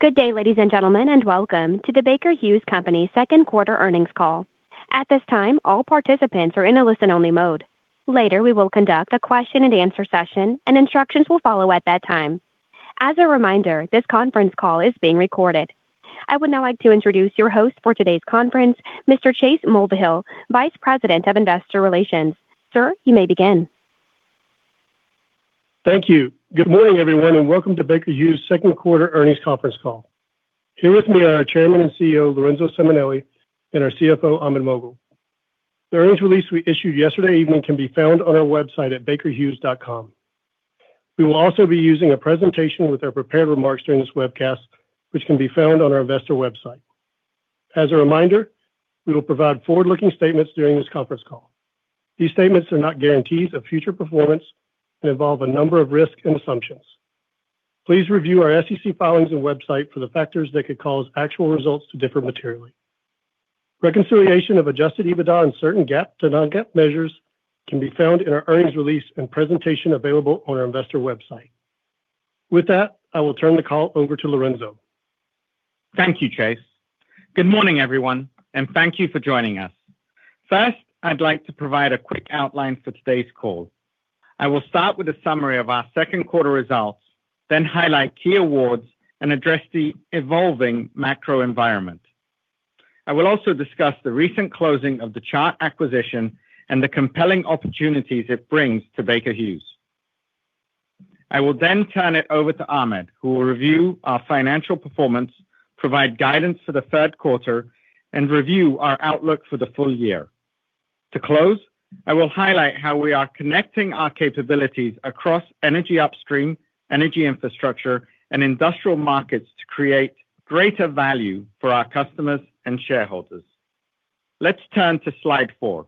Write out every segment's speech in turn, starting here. Good day, ladies and gentlemen, and welcome to the Baker Hughes Company second quarter earnings call. At this time, all participants are in a listen-only mode. Later, we will conduct a question-and-answer session, and instructions will follow at that time. As a reminder, this conference call is being recorded. I would now like to introduce your host for today's conference, Mr. Chase Mulvehill, Vice President of Investor Relations. Sir, you may begin. Thank you. Good morning, everyone, and welcome to Baker Hughes' second quarter earnings conference call. Here with me are our Chairman and CEO, Lorenzo Simonelli, and our CFO, Ahmed Moghal. The earnings release we issued yesterday evening can be found on our website at bakerhughes.com. We will also be using a presentation with our prepared remarks during this webcast, which can be found on our investor website. As a reminder, we will provide forward-looking statements during this conference call. These statements are not guarantees of future performance and involve a number of risks and assumptions. Please review our SEC filings and website for the factors that could cause actual results to differ materially. Reconciliation of adjusted EBITDA and certain GAAP to non-GAAP measures can be found in our earnings release and presentation available on our investor website. With that, I will turn the call over to Lorenzo. Thank you, Chase. Good morning, everyone, and thank you for joining us. First, I'd like to provide a quick outline for today's call. I will start with a summary of our second quarter results, then highlight key awards, and address the evolving macro environment. I will also discuss the recent closing of the Chart acquisition and the compelling opportunities it brings to Baker Hughes. I will then turn it over to Ahmed, who will review our financial performance, provide guidance for the third quarter, and review our outlook for the full year. To close, I will highlight how we are connecting our capabilities across energy upstream, energy infrastructure, and industrial markets to create greater value for our customers and shareholders. Let's turn to slide four.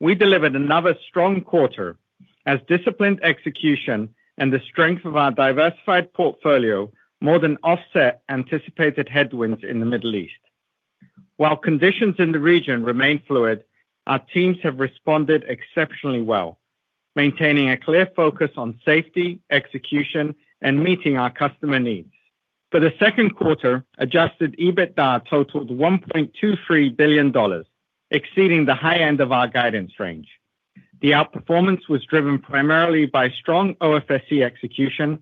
We delivered another strong quarter as disciplined execution and the strength of our diversified portfolio more than offset anticipated headwinds in the Middle East. While conditions in the region remain fluid, our teams have responded exceptionally well, maintaining a clear focus on safety, execution, and meeting our customer needs. For the second quarter, adjusted EBITDA totaled $1.23 billion, exceeding the high end of our guidance range. The outperformance was driven primarily by strong OFSE execution,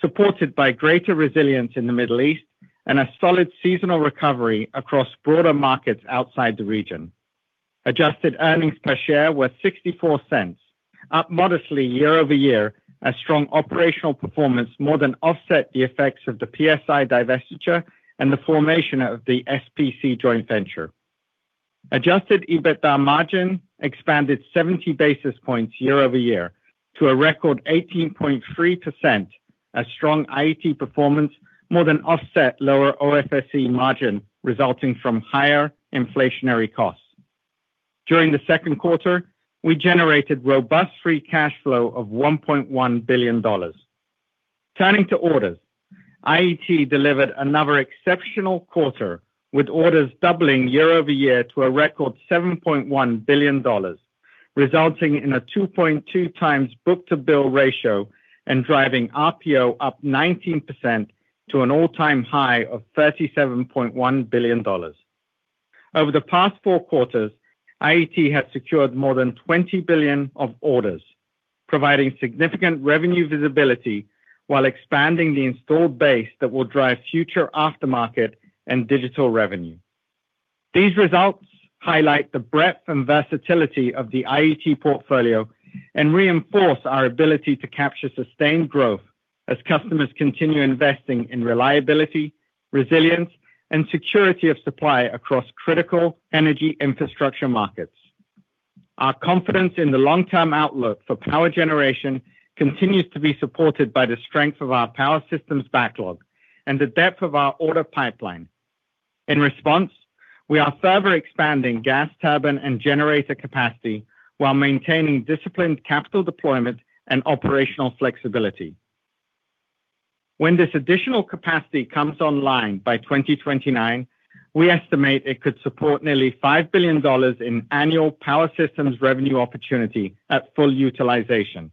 supported by greater resilience in the Middle East and a solid seasonal recovery across broader markets outside the region. Adjusted earnings per share were $0.64, up modestly year-over-year, as strong operational performance more than offset the effects of the PSI divestiture and the formation of the SPC joint venture. Adjusted EBITDA margin expanded 70 basis points year-over-year to a record 18.3% as strong IET performance more than offset lower OFSE margin, resulting from higher inflationary costs. During the second quarter, we generated robust free cash flow of $1.1 billion. Turning to orders, IET delivered another exceptional quarter, with orders doubling year-over-year to a record $7.1 billion, resulting in a 2.2x book-to-bill ratio and driving RPO up 19% to an all-time high of $37.1 billion. Over the past four quarters, IET has secured more than $20 billion of orders, providing significant revenue visibility while expanding the installed base that will drive future aftermarket and digital revenue. These results highlight the breadth and versatility of the IET portfolio and reinforce our ability to capture sustained growth as customers continue investing in reliability, resilience, and security of supply across critical energy infrastructure markets. Our confidence in the long-term outlook for power generation continues to be supported by the strength of our power systems backlog and the depth of our order pipeline. In response, we are further expanding gas turbine and generator capacity while maintaining disciplined capital deployment and operational flexibility. When this additional capacity comes online by 2029, we estimate it could support nearly $5 billion in annual power systems revenue opportunity at full utilization.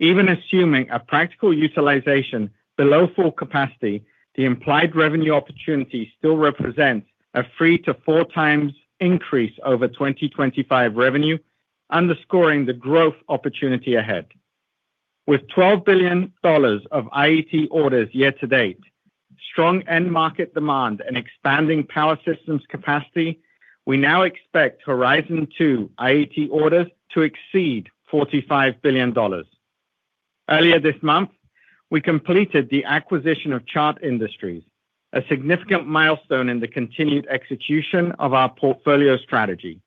Even assuming a practical utilization below full capacity, the implied revenue opportunity still represents a 3-4x increase over 2025 revenue, underscoring the growth opportunity ahead. With $12 billion of IET orders year-to-date, strong end market demand, and expanding power systems capacity, we now expect Horizon Two IET orders to exceed $45 billion. Earlier this month, we completed the acquisition of Chart Industries, a significant milestone in the continued execution of our portfolio strategy.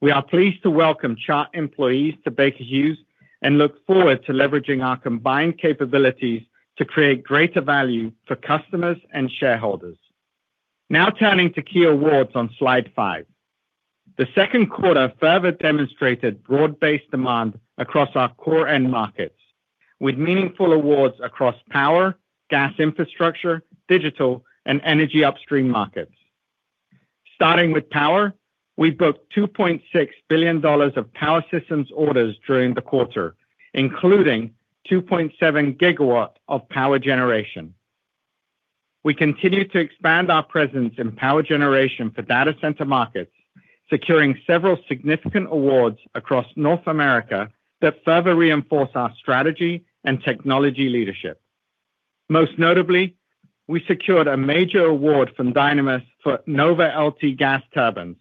We are pleased to welcome Chart employees to Baker Hughes and look forward to leveraging our combined capabilities to create greater value for customers and shareholders. Now turning to key awards on slide five. The second quarter further demonstrated broad-based demand across our core end markets, with meaningful awards across power, gas infrastructure, digital, and energy upstream markets. Starting with power, we booked $2.6 billion of power systems orders during the quarter, including 2.7 GW of power generation. We continue to expand our presence in power generation for data center markets, securing several significant awards across North America that further reinforce our strategy and technology leadership. Most notably, we secured a major award from Dynamis for NovaLT gas turbines,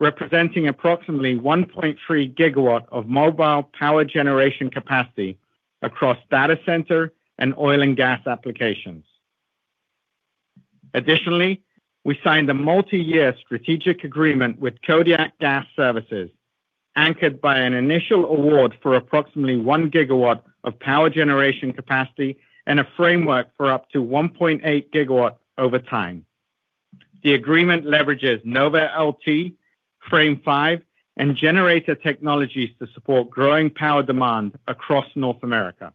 representing approximately 1.3 GW of mobile power generation capacity across data center and oil and gas applications. Additionally, we signed a multi-year strategic agreement with Kodiak Gas Services, anchored by an initial award for approximately 1 GW of power generation capacity and a framework for up to 1.8 GW over time. The agreement leverages NovaLT, Frame 5, and generator technologies to support growing power demand across North America.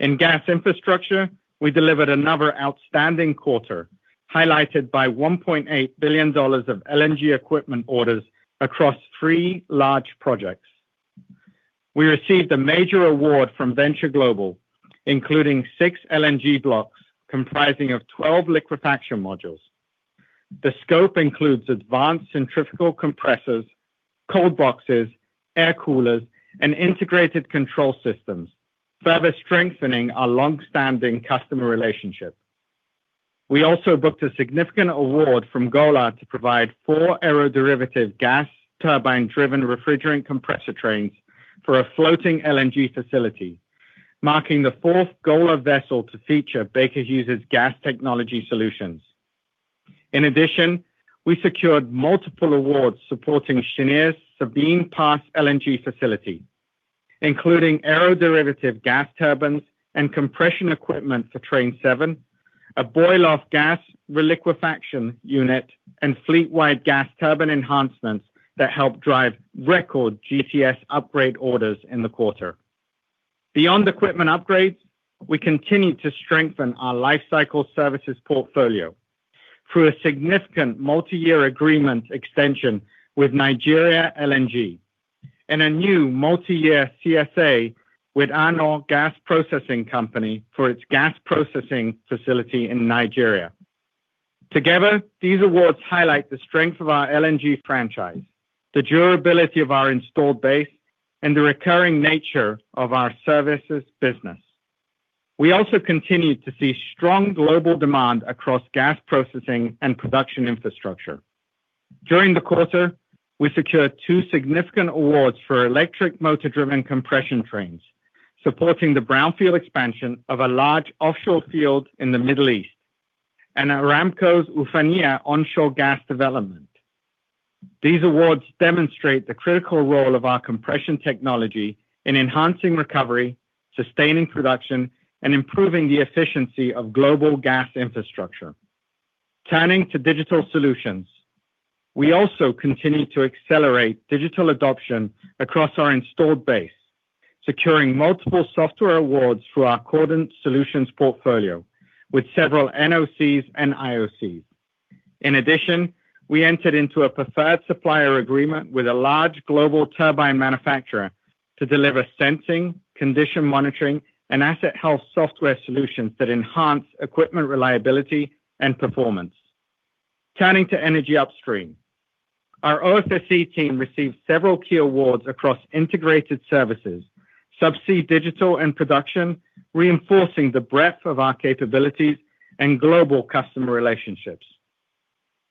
In gas infrastructure, we delivered another outstanding quarter, highlighted by $1.8 billion of LNG equipment orders across three large projects. We received a major award from Venture Global, including six LNG blocks comprising of 12 liquefaction modules. The scope includes advanced centrifugal compressors, cold boxes, air coolers, and integrated control systems, further strengthening our long-standing customer relationship. We also booked a significant award from Golar to provide four aeroderivative gas turbine-driven refrigerant compressor trains for a floating LNG facility, marking the fourth Golar vessel to feature Baker Hughes's gas technology solutions. In addition, we secured multiple awards supporting Cheniere's Sabine Pass LNG facility, including aeroderivative gas turbines and compression equipment for Train seven, a boil-off gas reliquefaction unit, and fleet-wide gas turbine enhancements that help drive record GCS upgrade orders in the quarter. Beyond equipment upgrades, we continue to strengthen our lifecycle services portfolio through a significant multi-year agreement extension with Nigeria LNG and a new multi-year CSA with Anoh Gas Processing Company for its gas processing facility in Nigeria. Together, these awards highlight the strength of our LNG franchise, the durability of our installed base, and the recurring nature of our services business. We also continued to see strong global demand across gas processing and production infrastructure. During the quarter, we secured two significant awards for electric motor-driven compression trains, supporting the brownfield expansion of a large offshore field in the Middle East and at Aramco's Uthmaniyah onshore gas development. These awards demonstrate the critical role of our compression technology in enhancing recovery, sustaining production, and improving the efficiency of global gas infrastructure. Turning to digital solutions, we also continue to accelerate digital adoption across our installed base, securing multiple software awards through our Cordant Solutions portfolio with several NOCs and IOCs. In addition, we entered into a preferred supplier agreement with a large global turbine manufacturer to deliver sensing, condition monitoring, and asset health software solutions that enhance equipment reliability and performance. Turning to energy upstream, our OFSE team received several key awards across integrated services, subsea digital, and production, reinforcing the breadth of our capabilities and global customer relationships.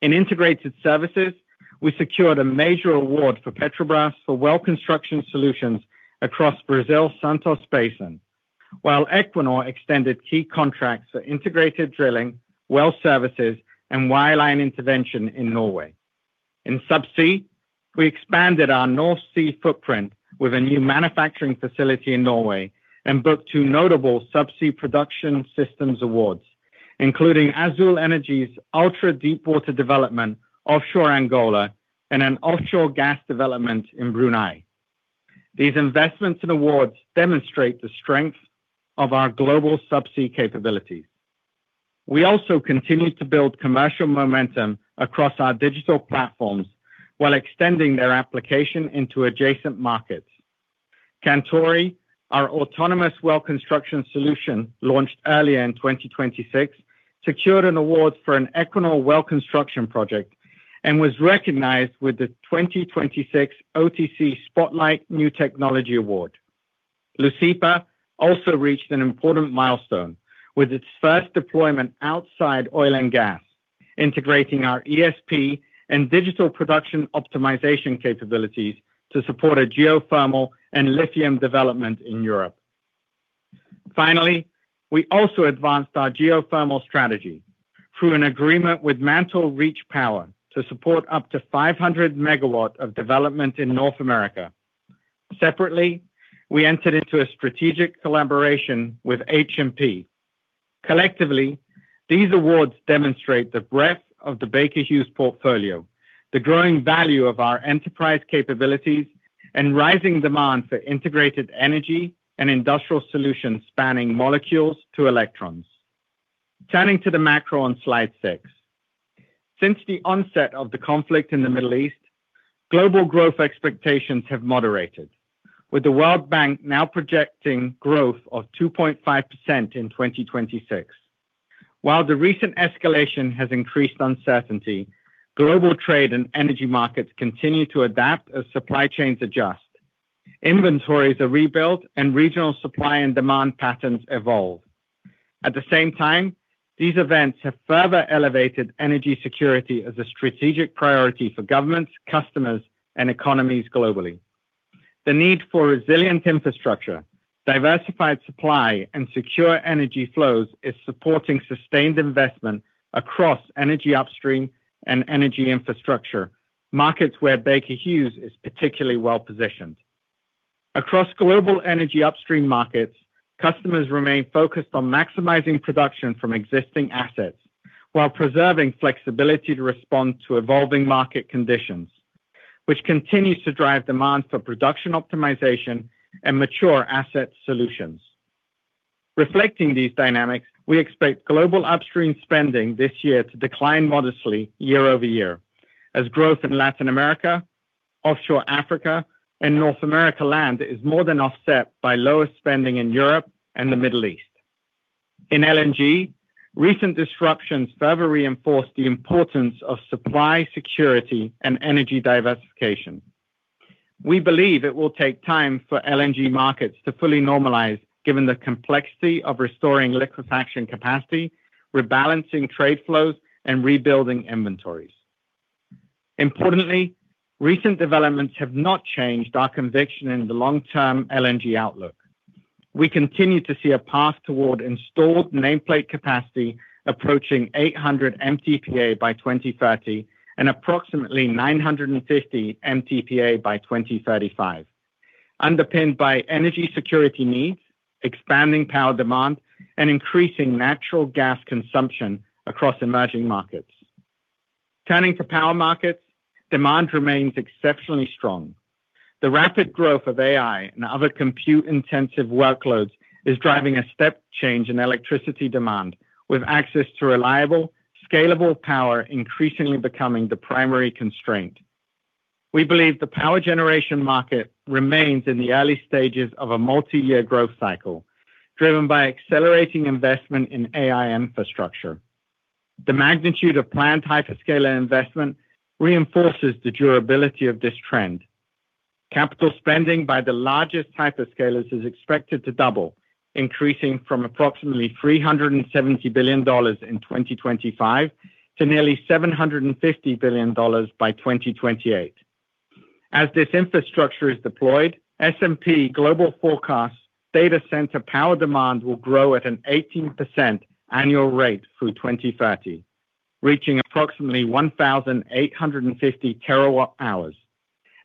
In integrated services, we secured a major award for Petrobras for well construction solutions across Brazil's Santos Basin, while Equinor extended key contracts for integrated drilling, well services, and wireline intervention in Norway. In subsea, we expanded our North Sea footprint with a new manufacturing facility in Norway and booked two notable subsea production systems awards, including Azule Energy's ultra-deepwater development offshore Angola and an offshore gas development in Brunei. These investments and awards demonstrate the strength of our global subsea capabilities. We also continued to build commercial momentum across our digital platforms while extending their application into adjacent markets. Kantori, our autonomous well construction solution launched earlier in 2026, secured an award for an Equinor well construction project and was recognized with the 2026 OTC Spotlight New Technology Award. Lucida also reached an important milestone with its first deployment outside oil and gas, integrating our ESP and digital production optimization capabilities to support a geothermal and lithium development in Europe. Finally, we also advanced our geothermal strategy through an agreement with Mantle Reach Power to support up to 500 MW of development in North America. Separately, we entered into a strategic collaboration with H&P. Collectively, these awards demonstrate the breadth of the Baker Hughes portfolio, the growing value of our enterprise capabilities and rising demand for integrated energy and industrial solutions spanning molecules to electrons. Turning to the macro on slide six. Since the onset of the conflict in the Middle East, global growth expectations have moderated, with the World Bank now projecting growth of 2.5% in 2026. While the recent escalation has increased uncertainty, global trade and energy markets continue to adapt as supply chains adjust. Inventories are rebuilt and regional supply and demand patterns evolve. At the same time, these events have further elevated energy security as a strategic priority for governments, customers, and economies globally. The need for resilient infrastructure, diversified supply, and secure energy flows is supporting sustained investment across energy upstream and energy infrastructure, markets where Baker Hughes is particularly well-positioned. Across global energy upstream markets, customers remain focused on maximizing production from existing assets while preserving flexibility to respond to evolving market conditions, which continues to drive demand for production optimization and mature asset solutions. Reflecting these dynamics, we expect global upstream spending this year to decline modestly year-over-year, as growth in Latin America, offshore Africa, and North America land is more than offset by lower spending in Europe and the Middle East. In LNG, recent disruptions further reinforce the importance of supply security and energy diversification. We believe it will take time for LNG markets to fully normalize given the complexity of restoring liquefaction capacity, rebalancing trade flows, and rebuilding inventories. Importantly, recent developments have not changed our conviction in the long-term LNG outlook. We continue to see a path toward installed nameplate capacity approaching 800 MTPA by 2030 and approximately 950 MTPA by 2035, underpinned by energy security needs, expanding power demand, and increasing natural gas consumption across emerging markets. Turning to power markets, demand remains exceptionally strong. The rapid growth of AI and other compute-intensive workloads is driving a step change in electricity demand, with access to reliable, scalable power increasingly becoming the primary constraint. We believe the power generation market remains in the early stages of a multi-year growth cycle, driven by accelerating investment in AI infrastructure. The magnitude of planned hyperscaler investment reinforces the durability of this trend. Capital spending by the largest hyperscalers is expected to double, increasing from approximately $370 billion in 2025 to nearly $750 billion by 2028. As this infrastructure is deployed, S&P Global forecasts data center power demand will grow at an 18% annual rate through 2030, reaching approximately 1,850 TWh,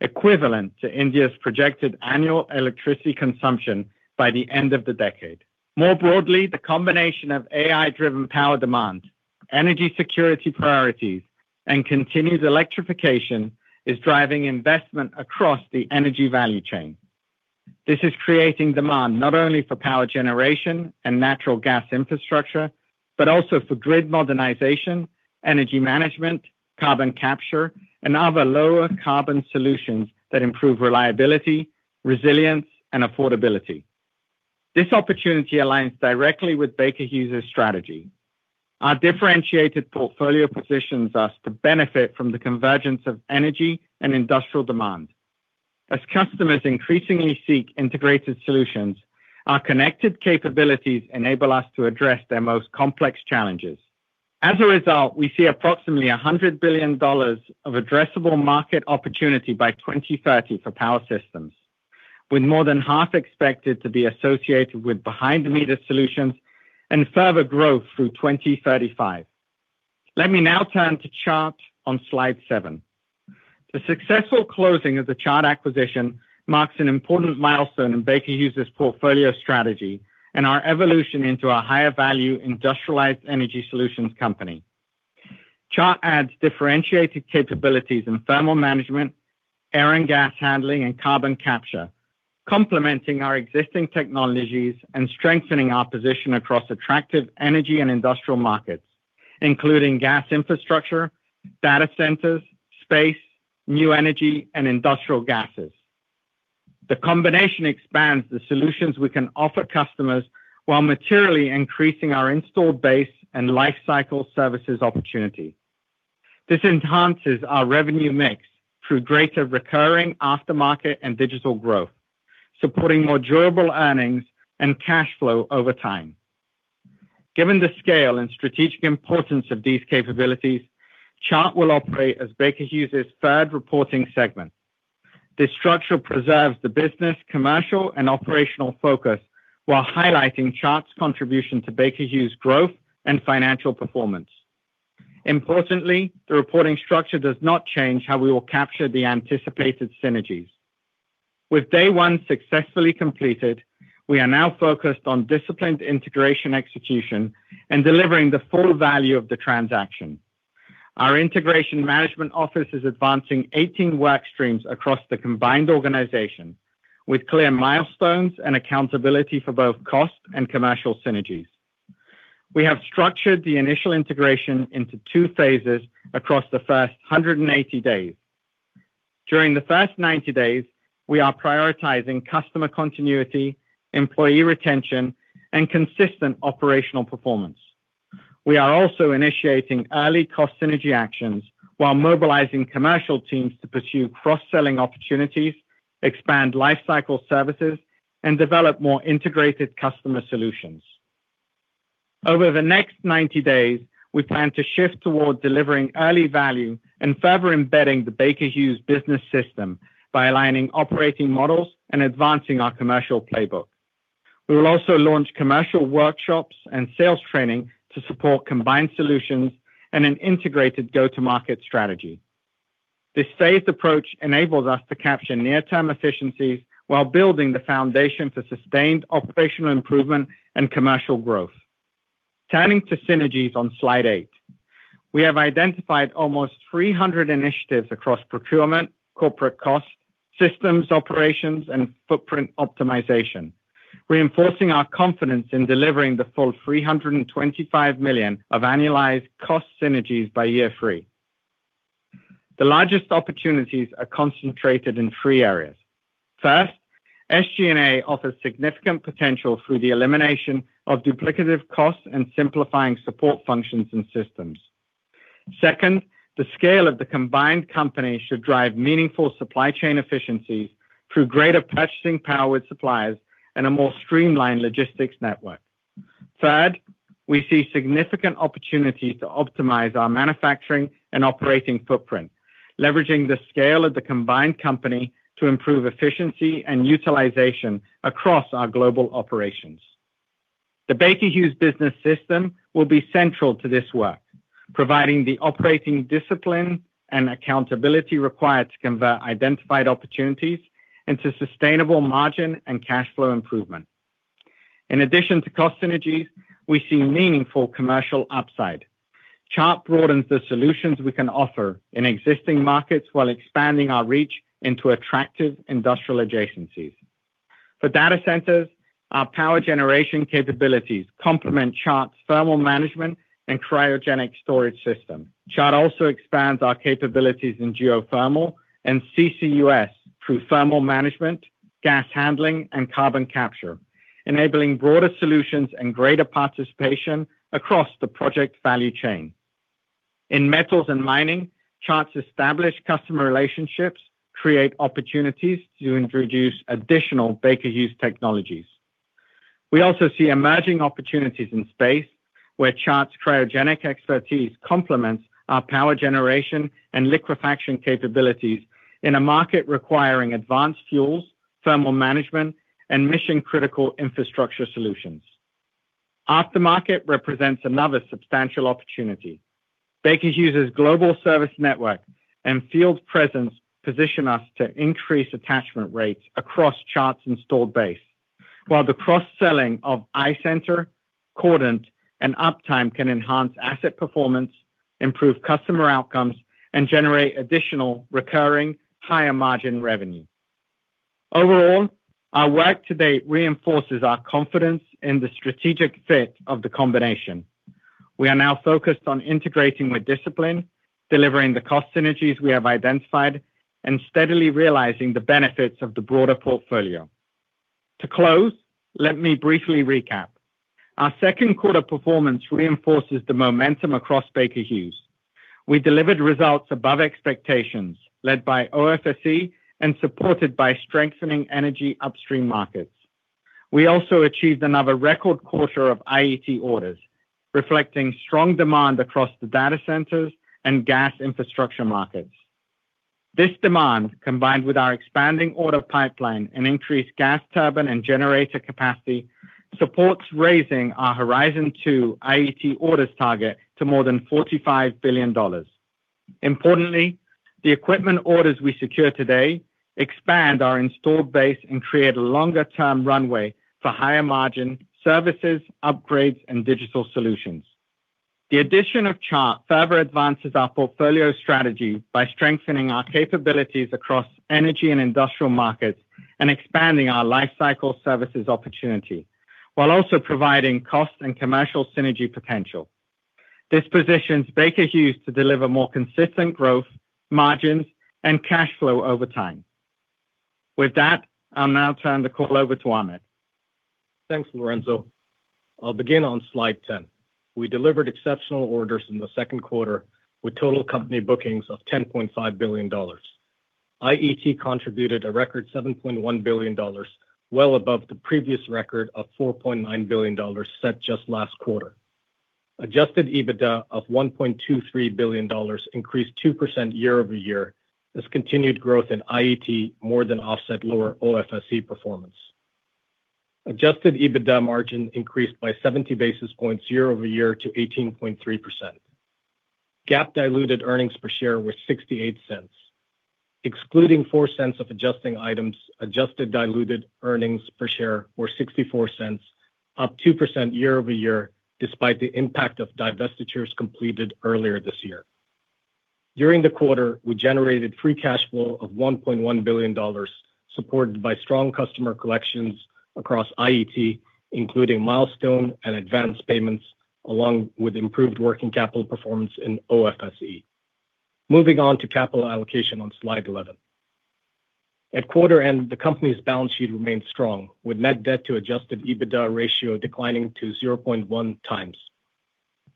equivalent to India's projected annual electricity consumption by the end of the decade. More broadly, the combination of AI-driven power demand, energy security priorities, and continued electrification is driving investment across the energy value chain. This is creating demand not only for power generation and natural gas infrastructure, but also for grid modernization, energy management, carbon capture, and other lower carbon solutions that improve reliability, resilience, and affordability. This opportunity aligns directly with Baker Hughes' strategy. Our differentiated portfolio positions us to benefit from the convergence of energy and industrial demand. As customers increasingly seek integrated solutions, our connected capabilities enable us to address their most complex challenges. As a result, we see approximately $100 billion of addressable market opportunity by 2030 for power systems, with more than half expected to be associated with behind-the-meter solutions and further growth through 2035. Let me now turn to chart on slide seven. The successful closing of the Chart acquisition marks an important milestone in Baker Hughes' portfolio strategy and our evolution into a higher value industrialized energy solutions company. Chart adds differentiated capabilities in thermal management, air and gas handling, and carbon capture, complementing our existing technologies and strengthening our position across attractive energy and industrial markets, including gas infrastructure, data centers, space, new energy, and industrial gases. The combination expands the solutions we can offer customers while materially increasing our installed base and lifecycle services opportunity. This enhances our revenue mix through greater recurring aftermarket and digital growth, supporting more durable earnings and cash flow over time. Given the scale and strategic importance of these capabilities, Chart will operate as Baker Hughes' third reporting segment. This structure preserves the business, commercial, and operational focus while highlighting Chart's contribution to Baker Hughes' growth and financial performance. Importantly, the reporting structure does not change how we will capture the anticipated synergies. With day one successfully completed, we are now focused on disciplined integration execution and delivering the full value of the transaction. Our integration management office is advancing 18 work streams across the combined organization with clear milestones and accountability for both cost and commercial synergies. We have structured the initial integration into two phases across the first 180 days. During the first 90 days, we are prioritizing customer continuity, employee retention, and consistent operational performance. We are also initiating early cost synergy actions while mobilizing commercial teams to pursue cross-selling opportunities, expand lifecycle services, and develop more integrated customer solutions. Over the next 90 days, we plan to shift towards delivering early value and further embedding the Baker Hughes Business System by aligning operating models and advancing our commercial playbook. We will also launch commercial workshops and sales training to support combined solutions and an integrated go-to-market strategy. This phased approach enables us to capture near-term efficiencies while building the foundation for sustained operational improvement and commercial growth. Turning to synergies on slide eight. We have identified almost 300 initiatives across procurement, corporate cost, systems operations, and footprint optimization, reinforcing our confidence in delivering the full $325 million of annualized cost synergies by year three. The largest opportunities are concentrated in three areas. First, SG&A offers significant potential through the elimination of duplicative costs and simplifying support functions and systems. Second, the scale of the combined company should drive meaningful supply chain efficiencies through greater purchasing power with suppliers and a more streamlined logistics network. Third, we see significant opportunities to optimize our manufacturing and operating footprint, leveraging the scale of the combined company to improve efficiency and utilization across our global operations. The Baker Hughes Business System will be central to this work, providing the operating discipline and accountability required to convert identified opportunities into sustainable margin and cash flow improvement. In addition to cost synergies, we see meaningful commercial upside. Chart broadens the solutions we can offer in existing markets while expanding our reach into attractive industrial adjacencies. For data centers, our power generation capabilities complement Chart's thermal management and cryogenic storage system. Chart also expands our capabilities in geothermal and CCUS through thermal management, gas handling and carbon capture, enabling broader solutions and greater participation across the project value chain. In metals and mining, Chart's established customer relationships create opportunities to introduce additional Baker Hughes technologies. We also see emerging opportunities in space where Chart's cryogenic expertise complements our power generation and liquefaction capabilities in a market requiring advanced fuels, thermal management, and mission-critical infrastructure solutions. Aftermarket represents another substantial opportunity. Baker Hughes' global service network and field presence position us to increase attachment rates across Chart's installed base, while the cross-selling of iCenter, Cordant, and Uptime can enhance asset performance, improve customer outcomes, and generate additional recurring higher-margin revenue. Overall, our work to date reinforces our confidence in the strategic fit of the combination. We are now focused on integrating with discipline, delivering the cost synergies we have identified, and steadily realizing the benefits of the broader portfolio. To close, let me briefly recap. Our second quarter performance reinforces the momentum across Baker Hughes. We delivered results above expectations, led by OFSE and supported by strengthening energy upstream markets. We also achieved another record quarter of IET orders, reflecting strong demand across the data centers and gas infrastructure markets. This demand, combined with our expanding order pipeline and increased gas turbine and generator capacity, supports raising our Horizon Two IET orders target to more than $45 billion. Importantly, the equipment orders we secure today expand our installed base and create a longer-term runway for higher margin services, upgrades, and digital solutions. The addition of Chart further advances our portfolio strategy by strengthening our capabilities across energy and industrial markets and expanding our lifecycle services opportunity, while also providing cost and commercial synergy potential. This positions Baker Hughes to deliver more consistent growth, margins, and cash flow over time. With that, I'll now turn the call over to Ahmed. Thanks, Lorenzo. I'll begin on slide 10. We delivered exceptional orders in the second quarter with total company bookings of $10.5 billion. IET contributed a record $7.1 billion, well above the previous record of $4.9 billion set just last quarter. Adjusted EBITDA of $1.23 billion increased 2% year-over-year as continued growth in IET more than offset lower OFSE performance. Adjusted EBITDA margin increased by 70 basis points year-over-year to 18.3%. GAAP diluted earnings per share were $0.68. Excluding $0.04 of adjusting items, adjusted diluted earnings per share were $0.64, up 2% year-over-year, despite the impact of divestitures completed earlier this year. During the quarter, we generated free cash flow of $1.1 billion, supported by strong customer collections across IET, including milestone and advanced payments, along with improved working capital performance in OFSE. Moving on to capital allocation on slide 11. At quarter end, the company's balance sheet remained strong, with net debt to adjusted EBITDA ratio declining to 0.1x.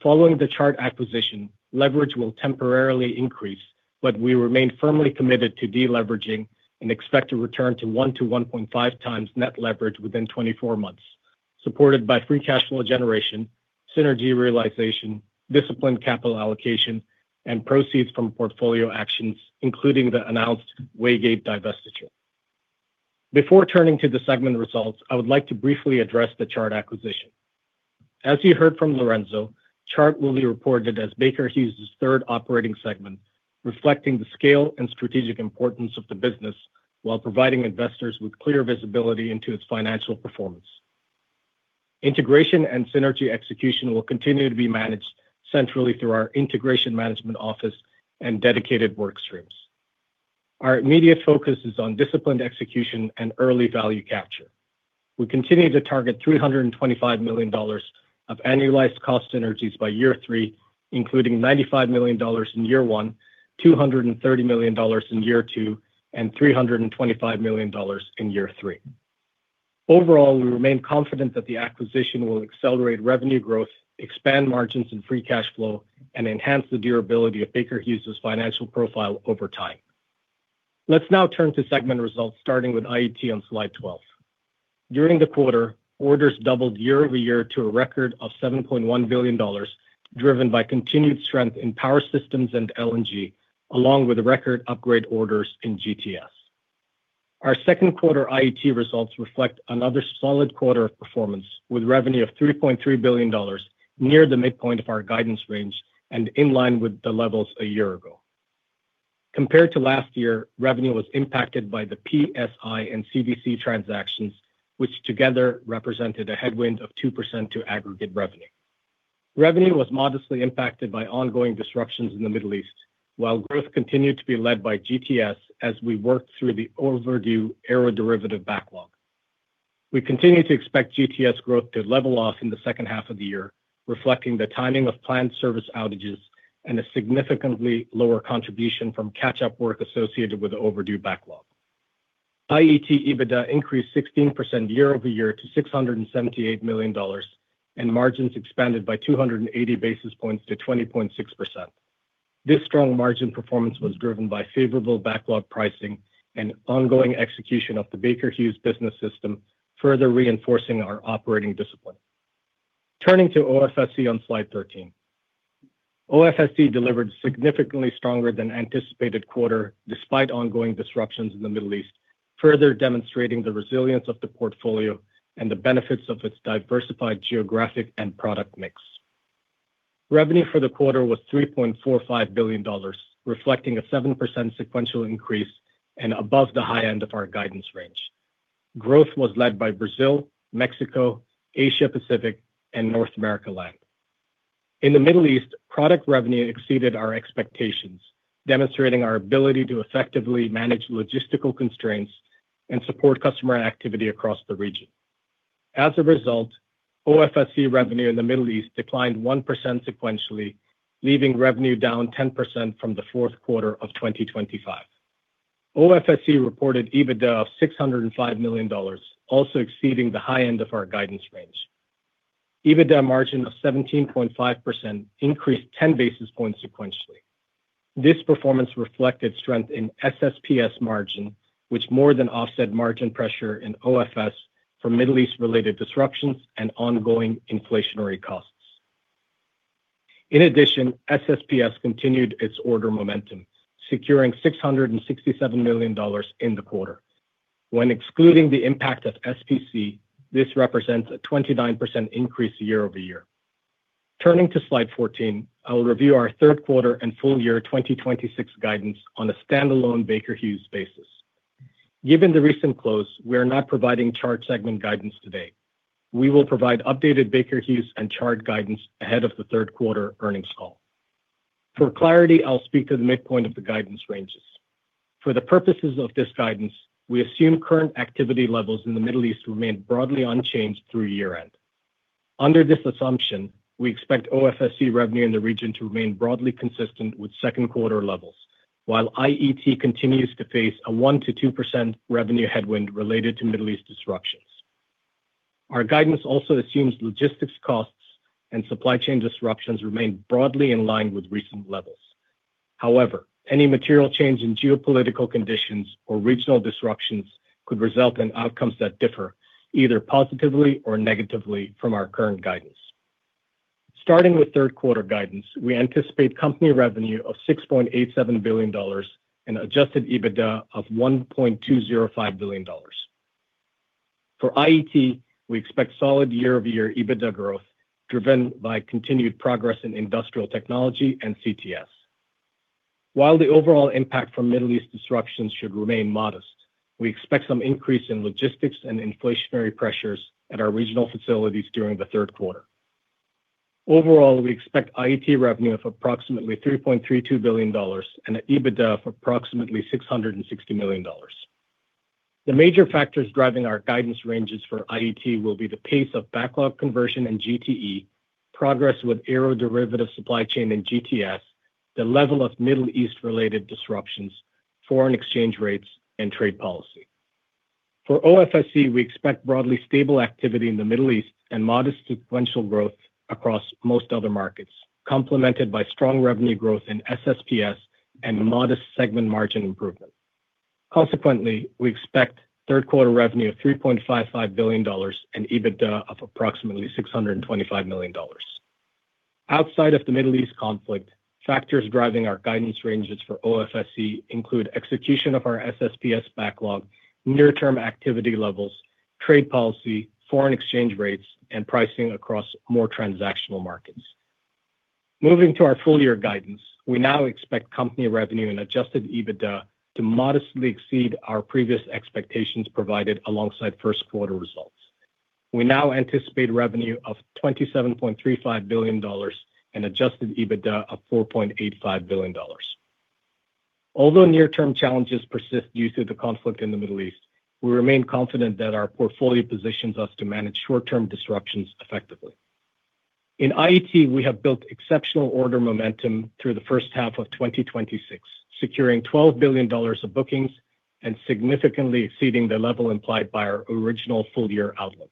Following the Chart acquisition, leverage will temporarily increase, but we remain firmly committed to deleveraging and expect to return to 1-1.5x net leverage within 24 months, supported by free cash flow generation, synergy realization, disciplined capital allocation, and proceeds from portfolio actions, including the announced Waygate divestiture. Before turning to the segment results, I would like to briefly address the Chart acquisition. As you heard from Lorenzo, Chart will be reported as Baker Hughes' third operating segment, reflecting the scale and strategic importance of the business, while providing investors with clear visibility into its financial performance. Integration and synergy execution will continue to be managed centrally through our integration management office and dedicated work streams. Our immediate focus is on disciplined execution and early value capture. We continue to target $325 million of annualized cost synergies by year three, including $95 million in year one, $230 million in year two, and $325 million in year three. Overall, we remain confident that the acquisition will accelerate revenue growth, expand margins and free cash flow, and enhance the durability of Baker Hughes' financial profile over time. Let's now turn to segment results, starting with IET on slide 12. During the quarter, orders doubled year-over-year to a record of $7.1 billion, driven by continued strength in power systems and LNG, along with record upgrade orders in GTS. Our second quarter IET results reflect another solid quarter of performance, with revenue of $3.3 billion, near the midpoint of our guidance range and in line with the levels a year ago. Compared to last year, revenue was impacted by the PSI and CVC transactions, which together represented a headwind of 2% to aggregate revenue. Revenue was modestly impacted by ongoing disruptions in the Middle East, while growth continued to be led by GTS as we worked through the overdue aero-derivative backlog. We continue to expect GTS growth to level off in the second half of the year, reflecting the timing of planned service outages and a significantly lower contribution from catch-up work associated with the overdue backlog. IET EBITDA increased 16% year-over-year to $678 million, and margins expanded by 280 basis points to 20.6%. This strong margin performance was driven by favorable backlog pricing and ongoing execution of the Baker Hughes business system, further reinforcing our operating discipline. Turning to OFSE on slide 13. OFSE delivered significantly stronger than anticipated quarter, despite ongoing disruptions in the Middle East, further demonstrating the resilience of the portfolio and the benefits of its diversified geographic and product mix. Revenue for the quarter was $3.45 billion, reflecting a 7% sequential increase and above the high end of our guidance range. Growth was led by Brazil, Mexico, Asia Pacific and North America Land. In the Middle East, product revenue exceeded our expectations, demonstrating our ability to effectively manage logistical constraints and support customer activity across the region. As a result, OFSE revenue in the Middle East declined 1% sequentially, leaving revenue down 10% from the fourth quarter of 2025. OFSE reported EBITDA of $605 million, also exceeding the high end of our guidance range. EBITDA margin of 17.5% increased 10 basis points sequentially. This performance reflected strength in SSPS margin, which more than offset margin pressure in OFS for Middle East-related disruptions and ongoing inflationary costs. In addition, SSPS continued its order momentum, securing $667 million in the quarter. When excluding the impact of SPC, this represents a 29% increase year-over-year. Turning to slide 14, I will review our third quarter and full year 2026 guidance on a standalone Baker Hughes basis. Given the recent close, we are not providing Chart segment guidance today. We will provide updated Baker Hughes and Chart guidance ahead of the third quarter earnings call. For clarity, I'll speak to the midpoint of the guidance ranges. For the purposes of this guidance, I assume current activity levels in the Middle East remain broadly unchanged through year-end. Under this assumption, we expect OFSE revenue in the region to remain broadly consistent with second quarter levels, while IET continues to face a 1%-2% revenue headwind related to Middle East disruptions. Our guidance also assumes logistics costs and supply chain disruptions remain broadly in line with recent levels. However, any material change in geopolitical conditions or regional disruptions could result in outcomes that differ, either positively or negatively from our current guidance. Starting with third quarter guidance, we anticipate company revenue of $6.87 billion and adjusted EBITDA of $1.205 billion. For IET, we expect solid year-over-year EBITDA growth driven by continued progress in Industrial Technology and CTS. While the overall impact from Middle East disruptions should remain modest, we expect some increase in logistics and inflationary pressures at our regional facilities during the third quarter. Overall, we expect IET revenue of approximately $3.32 billion and an EBITDA of approximately $660 million. The major factors driving our guidance ranges for IET will be the pace of backlog conversion and GTE, progress with aeroderivative supply chain and GTS, the level of Middle East-related disruptions, foreign exchange rates, and trade policy. For OFSE, we expect broadly stable activity in the Middle East and modest sequential growth across most other markets, complemented by strong revenue growth in SSPS and modest segment margin improvement. Consequently, we expect third quarter revenue of $3.55 billion and EBITDA of approximately $625 million. Outside of the Middle East conflict, factors driving our guidance ranges for OFSE include execution of our SSPS backlog, near-term activity levels, trade policy, foreign exchange rates, and pricing across more transactional markets. Moving to our full-year guidance, we now expect company revenue and adjusted EBITDA to modestly exceed our previous expectations provided alongside first quarter results. We now anticipate revenue of $27.35 billion and adjusted EBITDA of $4.85 billion. Although near-term challenges persist due to the conflict in the Middle East, we remain confident that our portfolio positions us to manage short-term disruptions effectively. In IET, we have built exceptional order momentum through the first half of 2026, securing $12 billion of bookings and significantly exceeding the level implied by our original full-year outlook.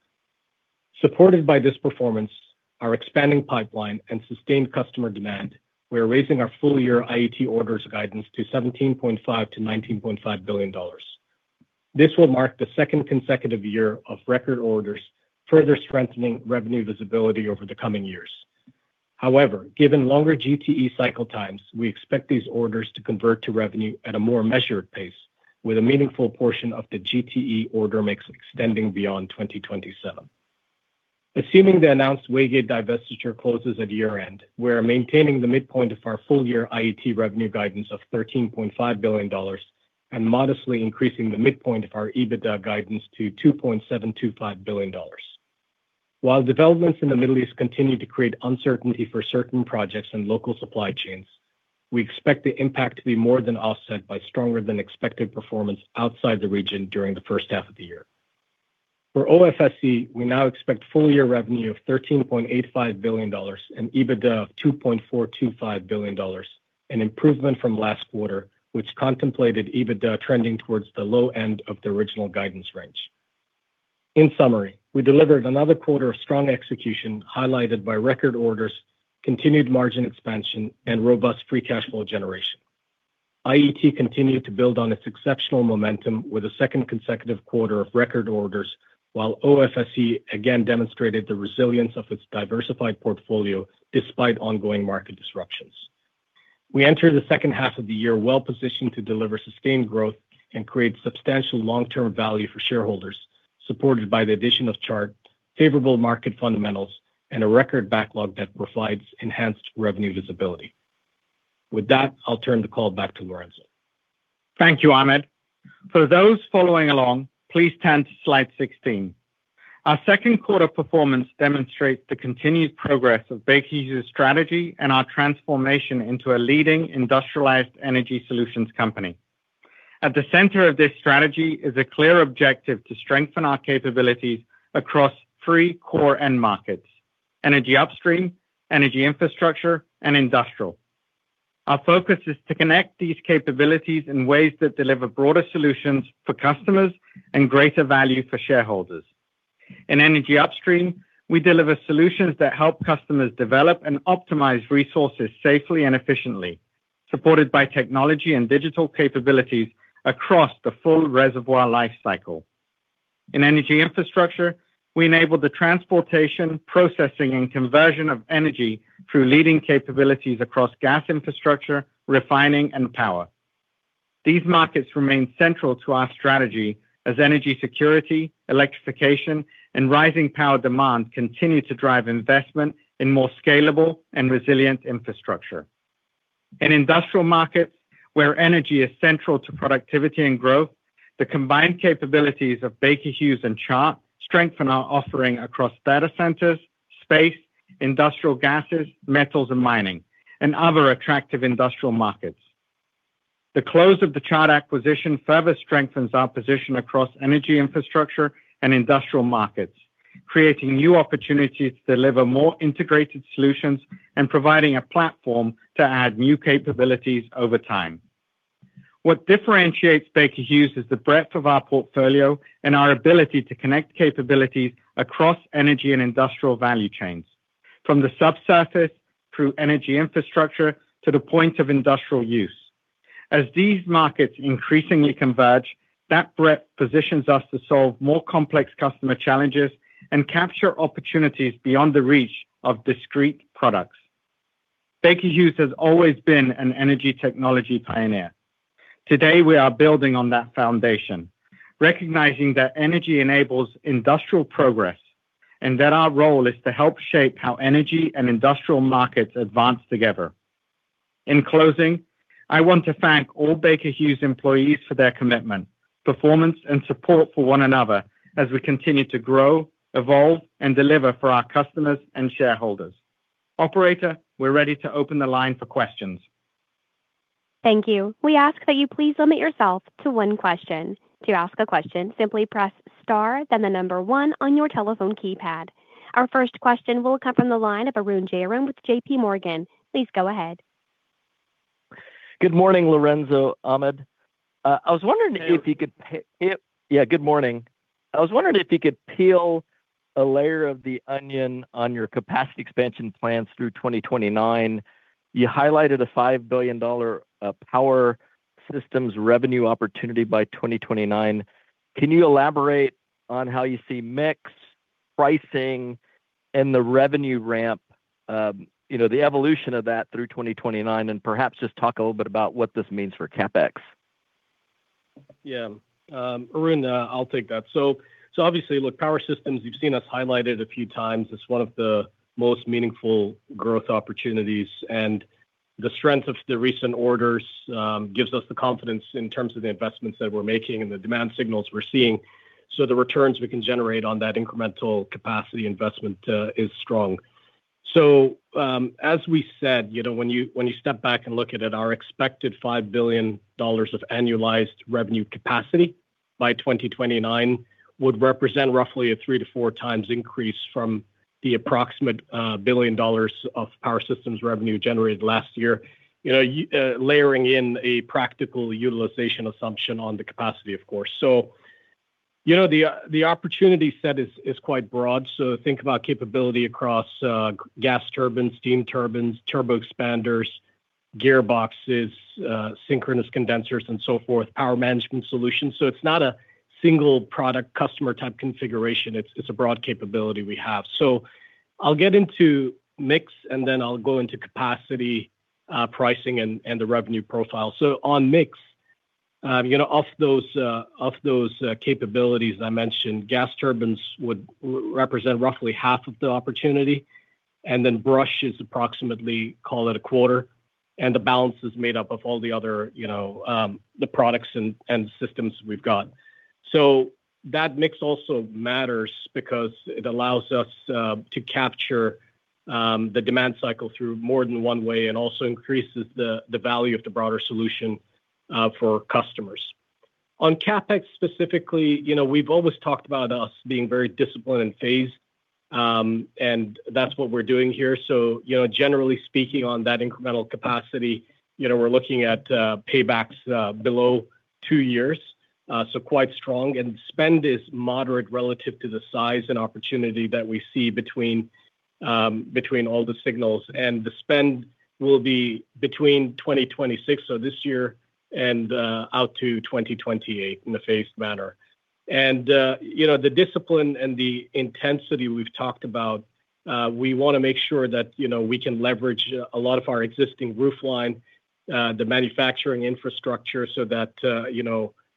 Supported by this performance, our expanding pipeline, and sustained customer demand, we are raising our full-year IET orders guidance to $17.5 billion-$19.5 billion. This will mark the second consecutive year of record orders, further strengthening revenue visibility over the coming years. However, given longer GTE cycle times, we expect these orders to convert to revenue at a more measured pace, with a meaningful portion of the GTE order mix extending beyond 2027. Assuming the announced Waygate divestiture closes at year-end, we are maintaining the midpoint of our full-year IET revenue guidance of $13.5 billion and modestly increasing the midpoint of our EBITDA guidance to $2.725 billion. While developments in the Middle East continue to create uncertainty for certain projects and local supply chains, we expect the impact to be more than offset by stronger-than-expected performance outside the region during the first half of the year. For OFSE, we now expect full-year revenue of $13.85 billion and EBITDA of $2.425 billion, an improvement from last quarter, which contemplated EBITDA trending towards the low end of the original guidance range. In summary, we delivered another quarter of strong execution, highlighted by record orders, continued margin expansion, and robust free cash flow generation. IET continued to build on its exceptional momentum with a second consecutive quarter of record orders, while OFSE again demonstrated the resilience of its diversified portfolio despite ongoing market disruptions. We enter the second half of the year well-positioned to deliver sustained growth and create substantial long-term value for shareholders, supported by the addition of Chart, favorable market fundamentals, and a record backlog that provides enhanced revenue visibility. With that, I'll turn the call back to Lorenzo. Thank you, Ahmed. For those following along, please turn to slide 16. Our second quarter performance demonstrates the continued progress of Baker Hughes' strategy and our transformation into a leading industrialized energy solutions company. At the center of this strategy is a clear objective to strengthen our capabilities across three core end markets: energy upstream, energy infrastructure, and industrial. Our focus is to connect these capabilities in ways that deliver broader solutions for customers and greater value for shareholders. In energy upstream, we deliver solutions that help customers develop and optimize resources safely and efficiently, supported by technology and digital capabilities across the full reservoir life cycle. In energy infrastructure, we enable the transportation, processing, and conversion of energy through leading capabilities across gas infrastructure, refining, and power. These markets remain central to our strategy as energy security, electrification, and rising power demand continue to drive investment in more scalable and resilient infrastructure. In industrial markets, where energy is central to productivity and growth, the combined capabilities of Baker Hughes and Chart strengthen our offering across data centers, space, industrial gases, metals and mining, and other attractive industrial markets. The close of the Chart acquisition further strengthens our position across energy infrastructure and industrial markets, creating new opportunities to deliver more integrated solutions and providing a platform to add new capabilities over time. What differentiates Baker Hughes is the breadth of our portfolio and our ability to connect capabilities across energy and industrial value chains, from the subsurface through energy infrastructure to the point of industrial use. As these markets increasingly converge, that breadth positions us to solve more complex customer challenges and capture opportunities beyond the reach of discrete products. Baker Hughes has always been an energy technology pioneer. Today, we are building on that foundation, recognizing that energy enables industrial progress, and that our role is to help shape how energy and industrial markets advance together. In closing, I want to thank all Baker Hughes employees for their commitment, performance, and support for one another as we continue to grow, evolve, and deliver for our customers and shareholders. Operator, we're ready to open the line for questions. Thank you. We ask that you please limit yourself to one question. To ask a question, simply press star then the number one on your telephone keypad. Our first question will come from the line of Arun Jayaram with JPMorgan. Please go ahead. Good morning, Lorenzo, Ahmed. Yeah, good morning. I was wondering if you could peel a layer of the onion on your capacity expansion plans through 2029. You highlighted a $5 billion Power Systems revenue opportunity by 2029. Can you elaborate on how you see mix, pricing, and the revenue ramp, the evolution of that through 2029, and perhaps just talk a little bit about what this means for CapEx? Yeah. Arun, I'll take that. Obviously, look, Power Systems, you've seen us highlight it a few times as one of the most meaningful growth opportunities, and the strength of the recent orders gives us the confidence in terms of the investments that we're making and the demand signals we're seeing. The returns we can generate on that incremental capacity investment is strong. As we said, when you step back and look at it, our expected $5 billion of annualized revenue capacity by 2029 would represent roughly a 3-4x increase from the approximate $1 billion of Power Systems revenue generated last year, layering in a practical utilization assumption on the capacity, of course. The opportunity set is quite broad. Think about capability across gas turbines, steam turbines, turbo expanders, gearboxes, synchronous condensers, and so forth, power management solutions. It's not a single product customer type configuration. It's a broad capability we have. I'll get into mix, and then I'll go into capacity, pricing, and the revenue profile. On mix, of those capabilities I mentioned, gas turbines would represent roughly half of the opportunity, and then Brush is approximately, call it a quarter, and the balance is made up of all the other products and systems we've got. That mix also matters because it allows us to capture the demand cycle through more than one way and also increases the value of the broader solution for customers. On CapEx specifically, we've always talked about us being very disciplined and phased, and that's what we're doing here. Generally speaking, on that incremental capacity, we're looking at paybacks below two years, so quite strong. Spend is moderate relative to the size and opportunity that we see between all the signals. The spend will be between 2026, so this year, and out to 2028 in a phased manner. The discipline and the intensity we've talked about, we want to make sure that we can leverage a lot of our existing roof line, the manufacturing infrastructure, so that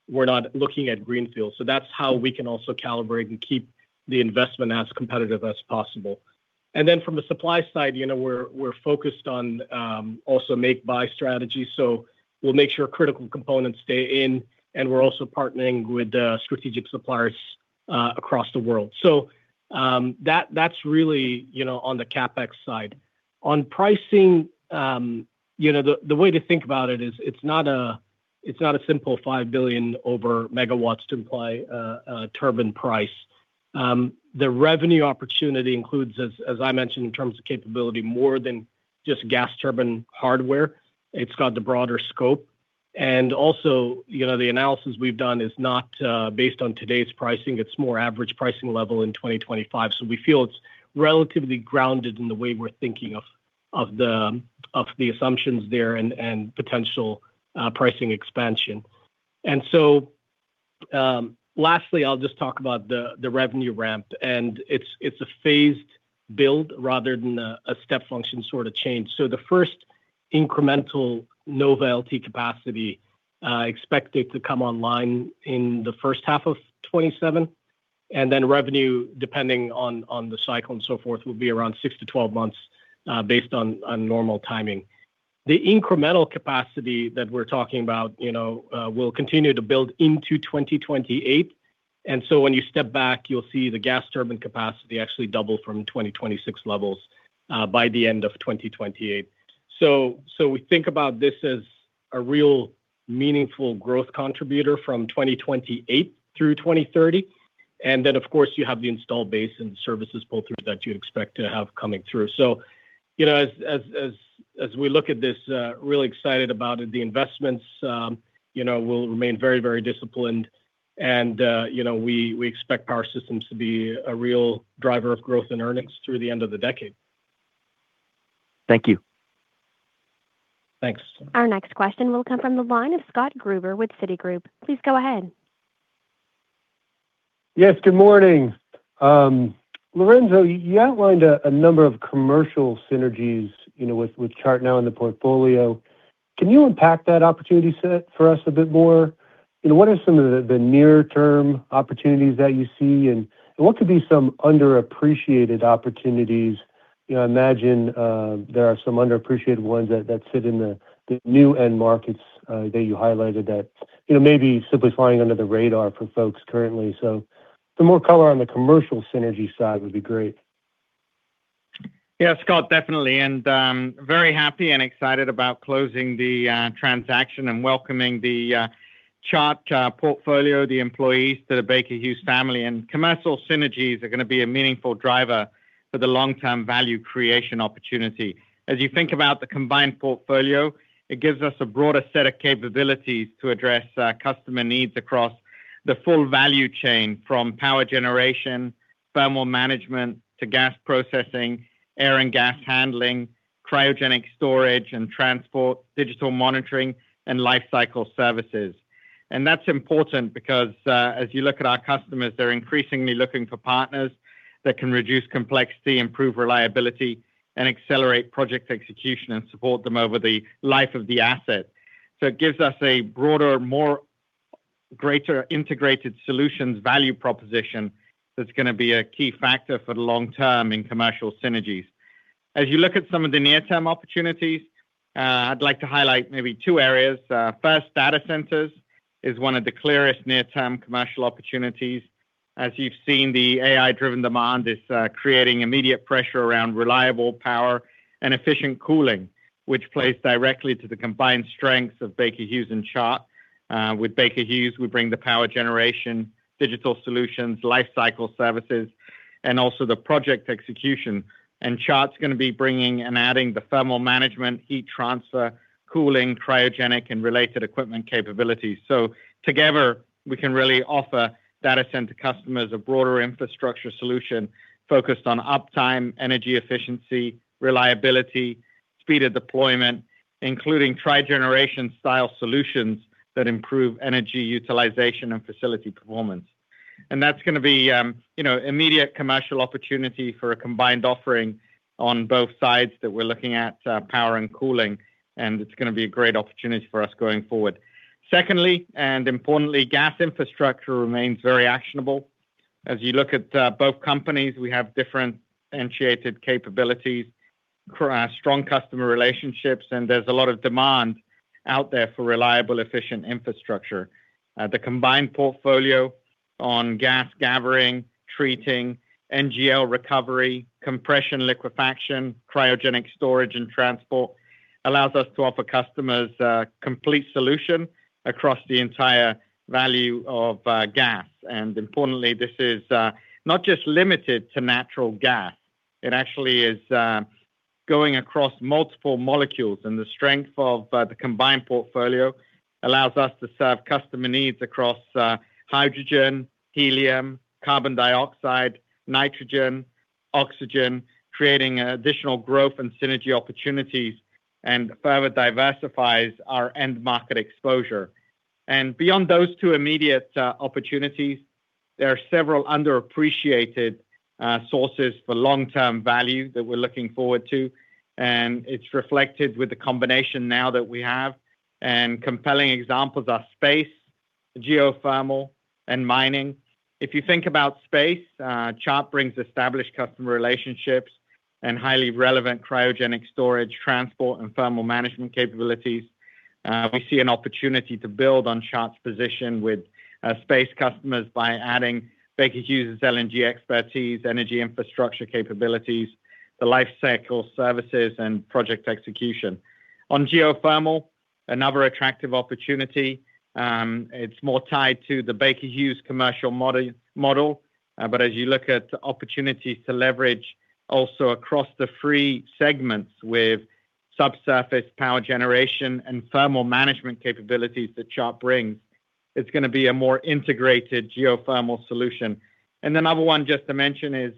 we're not looking at greenfield. That's how we can also calibrate and keep the investment as competitive as possible. Then from a supply side, we're focused on also make-buy strategy. We'll make sure critical components stay in and we're also partnering with strategic suppliers across the world. That's really on the CapEx side. On pricing, the way to think about it is it's not a simple $5 billion over megawatts to imply a turbine price. The revenue opportunity includes, as I mentioned, in terms of capability, more than just gas turbine hardware. It's got the broader scope. Also, the analysis we've done is not based on today's pricing. It's more average pricing level in 2025. We feel it's relatively grounded in the way we're thinking of the assumptions there and potential pricing expansion. Lastly, I'll just talk about the revenue ramp, and it's a phased build rather than a step function sort of change. The first incremental NovaLT capacity expected to come online in the first half of 2027, and then revenue, depending on the cycle and so forth, will be around six to 12 months based on normal timing. The incremental capacity that we're talking about will continue to build into 2028. When you step back, you'll see the gas turbine capacity actually double from 2026 levels by the end of 2028. We think about this as a real meaningful growth contributor from 2028 through 2030, and then, of course, you have the install base and services pull-through that you'd expect to have coming through. As we look at this, really excited about it. The investments will remain very disciplined and we expect Power Systems to be a real driver of growth in earnings through the end of the decade. Thank you. Thanks. Our next question will come from the line of Scott Gruber with Citigroup. Please go ahead. Yes, good morning. Lorenzo, you outlined a number of commercial synergies with Chart now in the portfolio. Can you unpack that opportunity set for us a bit more? What are some of the near-term opportunities that you see, and what could be some underappreciated opportunities? I imagine there are some underappreciated ones that sit in the new end markets that you highlighted that may be simply flying under the radar for folks currently. The more color on the commercial synergy side would be great. Yeah, Scott, definitely. Very happy and excited about closing the transaction and welcoming the Chart portfolio, the employees to the Baker Hughes family. Commercial synergies are going to be a meaningful driver for the long-term value creation opportunity. As you think about the combined portfolio, it gives us a broader set of capabilities to address customer needs across the full value chain, from power generation, thermal management, to gas processing, air and gas handling, cryogenic storage and transport, digital monitoring, and lifecycle services. That's important because, as you look at our customers, they're increasingly looking for partners that can reduce complexity, improve reliability, and accelerate project execution and support them over the life of the asset. It gives us a broader, greater integrated solutions value proposition that's going to be a key factor for the long term in commercial synergies. As you look at some of the near-term opportunities, I'd like to highlight maybe two areas. First, data centers is one of the clearest near-term commercial opportunities. As you've seen, the AI-driven demand is creating immediate pressure around reliable power and efficient cooling, which plays directly to the combined strengths of Baker Hughes and Chart. With Baker Hughes, we bring the power generation, digital solutions, lifecycle services, and also the project execution. Chart's going to be bringing and adding the thermal management, heat transfer, cooling, cryogenic, and related equipment capabilities. Together, we can really offer data center customers a broader infrastructure solution focused on Uptime, energy efficiency, reliability, speed of deployment, including trigeneration style solutions that improve energy utilization and facility performance. That's going to be an immediate commercial opportunity for a combined offering on both sides that we're looking at power and cooling, and it's going to be a great opportunity for us going forward. Secondly, importantly, gas infrastructure remains very actionable. As you look at both companies, we have different differentiated capabilities, strong customer relationships, and there's a lot of demand out there for reliable, efficient infrastructure. The combined portfolio on gas gathering, treating, NGL recovery, compression, liquefaction, cryogenic storage, and transport allows us to offer customers a complete solution across the entire value of gas. Importantly, this is not just limited to natural gas. It actually is going across multiple molecules, and the strength of the combined portfolio allows us to serve customer needs across hydrogen, helium, carbon dioxide, nitrogen, oxygen, creating additional growth and synergy opportunities and further diversifies our end market exposure. Beyond those two immediate opportunities, there are several underappreciated sources for long-term value that we're looking forward to, and it's reflected with the combination now that we have, and compelling examples are space, geothermal, and mining. If you think about space, Chart brings established customer relationships and highly relevant cryogenic storage, transport, and thermal management capabilities. We see an opportunity to build on Chart's position with space customers by adding Baker Hughes' LNG expertise, energy infrastructure capabilities, the life cycle services, and project execution. On geothermal, another attractive opportunity, it's more tied to the Baker Hughes commercial model. As you look at opportunities to leverage also across the three segments with subsurface power generation and thermal management capabilities that Chart brings, it's going to be a more integrated geothermal solution. Another one just to mention is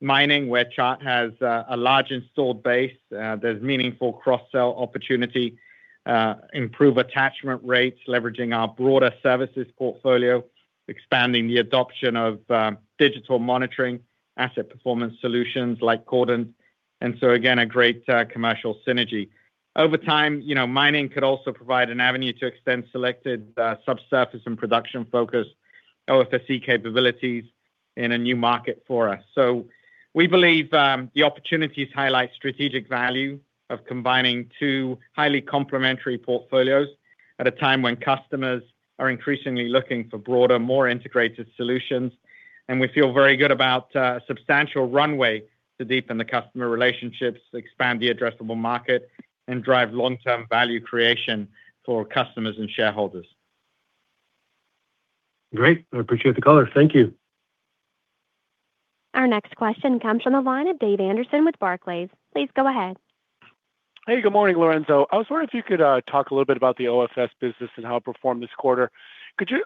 mining, where Chart has a large installed base. There's meaningful cross-sell opportunity, improve attachment rates, leveraging our broader services portfolio, expanding the adoption of digital monitoring, asset performance solutions like Cordant. Again, a great commercial synergy. Over time, mining could also provide an avenue to extend selected subsurface and production-focused OFSE capabilities in a new market for us. We believe the opportunities highlight strategic value of combining two highly complementary portfolios at a time when customers are increasingly looking for broader, more integrated solutions. We feel very good about substantial runway to deepen the customer relationships, expand the addressable market, and drive long-term value creation for customers and shareholders. Great. I appreciate the color. Thank you. Our next question comes from the line of David Anderson with Barclays. Please go ahead. Hey, good morning, Lorenzo. I was wondering if you could talk a little bit about the OFS business and how it performed this quarter.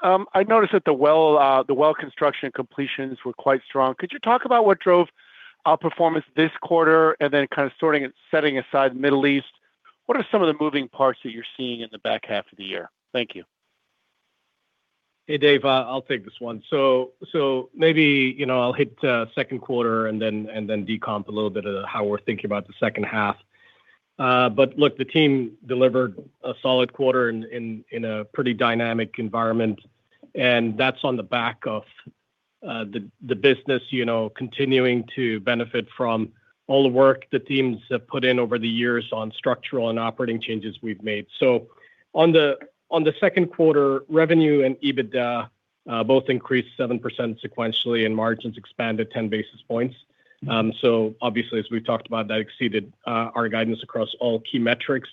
I noticed that the well construction and completions were quite strong. Could you talk about what drove outperformance this quarter, and then kind of setting aside Middle East, what are some of the moving parts that you're seeing in the back half of the year? Thank you. Hey, Dave, I'll take this one. Maybe I'll hit second quarter and then decomp a little bit of how we're thinking about the second half. Look, the team delivered a solid quarter in a pretty dynamic environment, and that's on the back of the business continuing to benefit from all the work the teams have put in over the years on structural and operating changes we've made. On the second quarter, revenue and EBITDA both increased 7% sequentially, and margins expanded 10 basis points. Obviously, as we've talked about, that exceeded our guidance across all key metrics.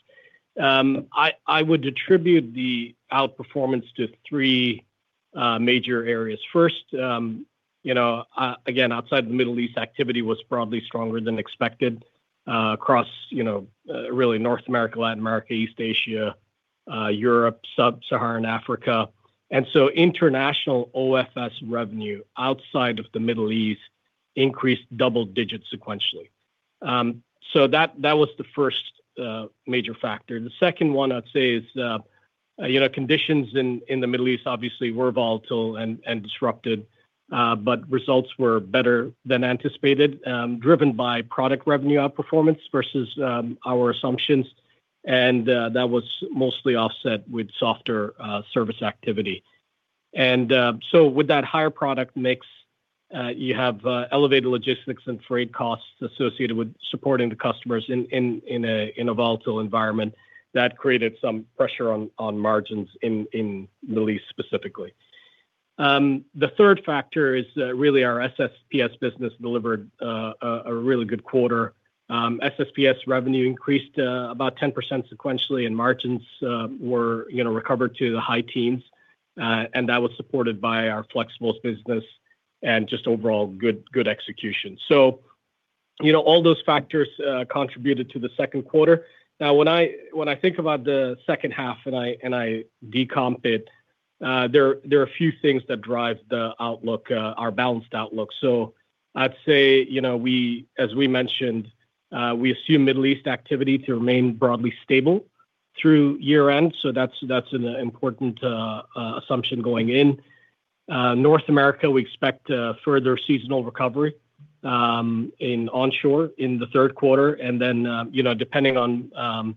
I would attribute the outperformance to three major areas. First, again, outside the Middle East, activity was broadly stronger than expected across really North America, Latin America, East Asia, Europe, sub-Saharan Africa. International OFS revenue, outside of the Middle East, increased double digits sequentially. That was the first major factor. The second one I'd say is conditions in the Middle East obviously were volatile and disrupted, but results were better than anticipated, driven by product revenue outperformance versus our assumptions, and that was mostly offset with softer service activity. With that higher product mix, you have elevated logistics and freight costs associated with supporting the customers in a volatile environment that created some pressure on margins in Middle East specifically. The third factor is really our SSPS business delivered a really good quarter. SSPS revenue increased about 10% sequentially, and margins recovered to the high teens. That was supported by our Flexibles business and just overall good execution. All those factors contributed to the second quarter. When I think about the second half and I decomp it, there are few things that drive our balanced outlook. I'd say, as we mentioned, we assume Middle East activity to remain broadly stable through year end. That's an important assumption going in. North America, we expect further seasonal recovery in onshore in the third quarter. Depending on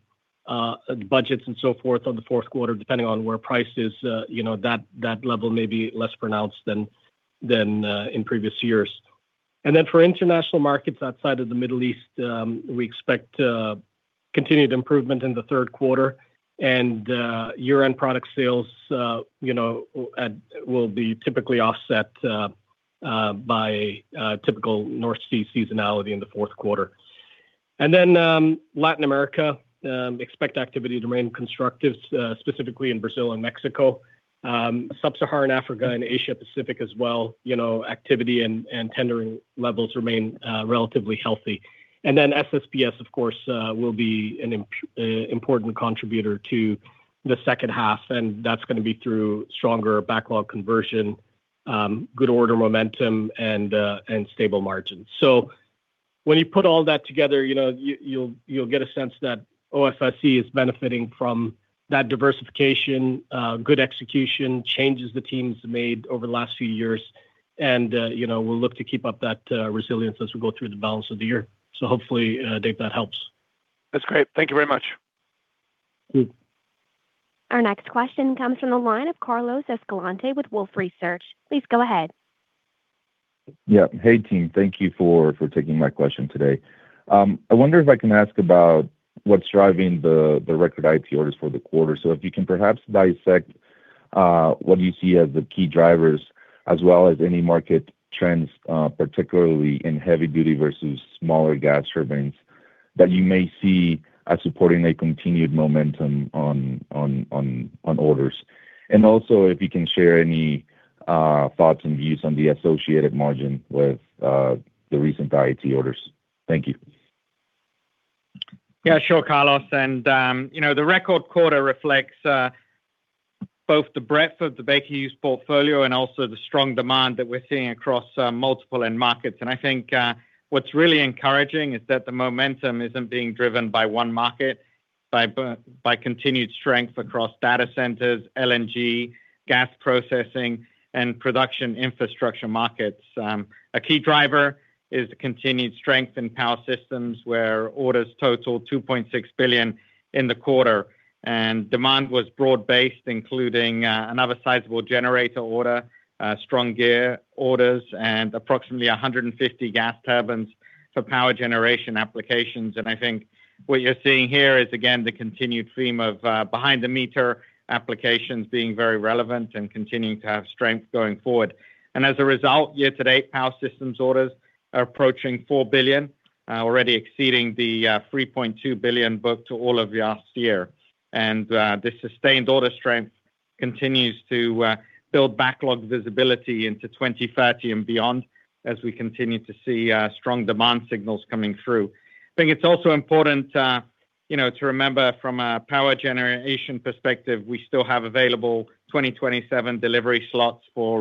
budgets and so forth on the fourth quarter, depending on where price is, that level may be less pronounced than in previous years. For international markets outside of the Middle East, we expect continued improvement in the third quarter. Year-end product sales will be typically offset by typical North Sea seasonality in the fourth quarter. Latin America expect activity to remain constructive, specifically in Brazil and Mexico. Sub-Saharan Africa and Asia Pacific as well, activity and tendering levels remain relatively healthy. SSPS, of course, will be an important contributor to the second half, and that's going to be through stronger backlog conversion, good order momentum, and stable margins. When you put all that together, you'll get a sense that OFSE is benefiting from that diversification, good execution, changes the team's made over the last few years. We'll look to keep up that resilience as we go through the balance of the year. Hopefully, Dave, that helps. That's great. Thank you very much. Our next question comes from the line of Carlos Escalante with Wolfe Research. Please go ahead. Yeah. Hey, team. Thank you for taking my question today. I wonder if I can ask about what's driving the record IET orders for the quarter. If you can perhaps dissect what you see as the key drivers as well as any market trends, particularly in heavy duty versus smaller gas turbines, that you may see as supporting a continued momentum on orders. Also, if you can share any thoughts and views on the associated margin with the recent IET orders. Thank you. Yeah, sure, Carlos. The record quarter reflects both the breadth of the Baker Hughes portfolio and also the strong demand that we're seeing across multiple end markets. I think what's really encouraging is that the momentum isn't being driven by one market, by continued strength across data centers, LNG, gas processing, and production infrastructure markets. A key driver is the continued strength in power systems, where orders total $2.6 billion in the quarter, and demand was broad-based, including another sizable generator order, strong gear orders, and approximately 150 gas turbines for power generation applications. I think what you're seeing here is, again, the continued theme of behind-the-meter applications being very relevant and continuing to have strength going forward. As a result, year-to-date, power systems orders are approaching $4 billion, already exceeding the $3.2 billion booked to all of last year. The sustained order strength continues to build backlog visibility into 2030 and beyond as we continue to see strong demand signals coming through. I think it's also important to remember from a power generation perspective, we still have available 2027 delivery slots for